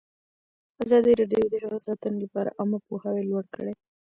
ازادي راډیو د حیوان ساتنه لپاره عامه پوهاوي لوړ کړی.